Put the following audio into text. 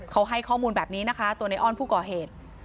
เขาให้ข้อมูลแบบนี้นะคะตัวในอ้อนผู้ก่อเหตุ